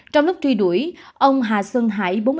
trong lúc truy đuổi ông hà sơn hải